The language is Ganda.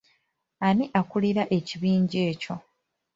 Ani akulira ekibinja ekyo?